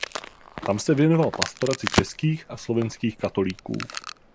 Tam se věnoval pastoraci českých a slovenských katolíků.